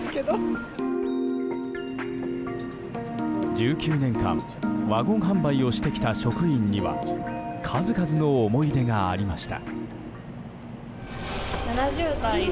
１９年間ワゴン販売をしてきた職員には数々の思い出がありました。